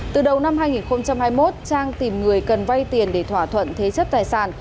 từ đầu năm hai nghìn hai mươi một trang tìm người cần vay tiền để thỏa thuận thế chấp tài sản